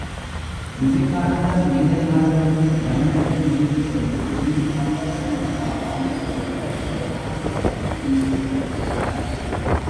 விவேகானந்தர் மேலை நாடுகளில் பயணத்தை முடித்துக்கொண்டு இங்கே வந்ததன் நினைவாக அமைக்கப்பட்ட விவேகானந்த சபை இங்கு உள்ளது என்றார்.